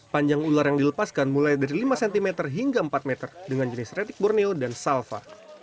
panjang ular yang dilepaskan mulai dari lima cm hingga empat meter dengan jenis retik borneo dan salva